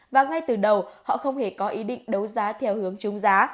và ngay từ đầu họ không hề có ý định đấu giá theo hướng trung giá